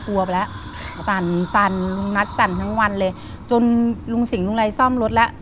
ไปแล้วสั่นสั่นลุงนัทสั่นทั้งวันเลยจนลุงสิงหลุงไรซ่อมรถแล้ว